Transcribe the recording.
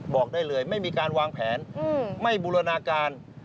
บอกได้เลยไม่มีการวางแผนไม่บูรณาการ